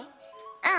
うん！